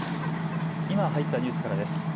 今、入ったニュースからです。